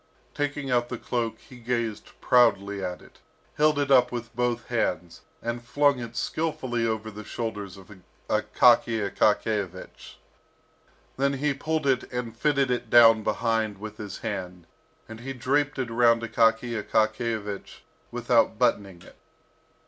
Taking out the cloak, he gazed proudly at it, held it up with both hands, and flung it skilfully over the shoulders of Akaky Akakiyevich. Then he pulled it and fitted it down behind with his hand, and he draped it around Akaky Akakiyevich without buttoning it.